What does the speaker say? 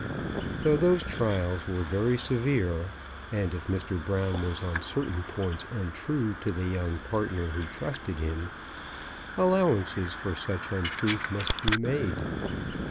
But those trials were very severe, and if Mr. Brown was on certain points untrue to the young partner who trusted him, allowances for such untruth must be made.